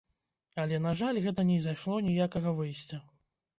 Але, на жаль, гэта не знайшло ніякага выйсця.